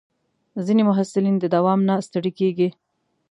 ځینې محصلین د دوام نه ستړي کېږي.